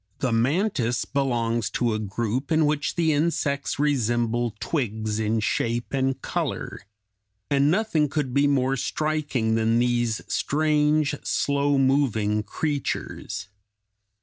The mantis (Fig. 192) belongs to a group in which the insects resemble twigs in shape and color, and nothing could be more striking than these strange, slow moving creatures.